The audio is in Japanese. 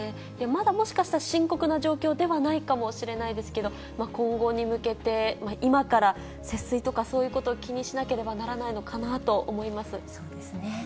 まだ、もしかしたら深刻な状況ではないかもしれないですけど、今後に向けて、今から節水とかそういうことを気にしなければならないのかなと思そうですね。